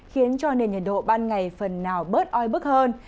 khiến cho nền nhiệt độ ban ngày phần nào bớt oi bức hơn